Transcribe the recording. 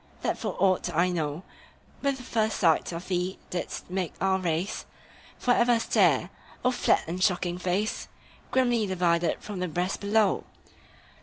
that for aught I know, With the first sight of thee didst make our race For ever stare! O flat and shocking face, Grimly divided from the breast below!